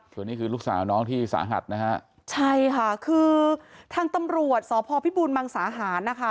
ส่วนนี้คือลูกสาวน้องที่สาหัสนะฮะใช่ค่ะคือทางตำรวจสพพิบูรมังสาหารนะคะ